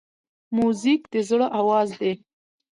موزیک د زړه آواز دی.